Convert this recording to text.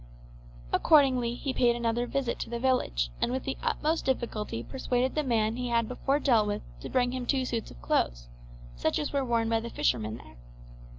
Accordingly he paid another visit to the village, and with the utmost difficulty persuaded the man he had before dealt with to bring him two suits of clothes, such as were worn by the fishermen there.